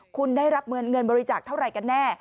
คุณได้รับเงินบริจาคเท่าไหร่กันแน่